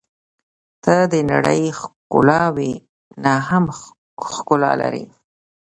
• ته د نړۍ ښکلاوې نه هم ښکلا لرې.